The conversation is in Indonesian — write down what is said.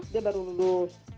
dia baru lulus